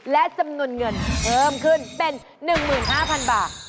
และจำนวนเงินเพิ่มขึ้นเป็น๑๕๐๐๐บาท